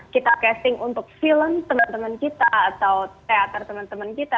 kita casting untuk film teman teman kita atau teater teman teman kita